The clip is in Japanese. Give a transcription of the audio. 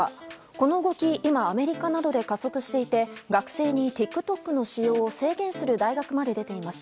この動き、今アメリカなどで加速していて学生にＴｉｋＴｏｋの使用を制限する大学まで出ています。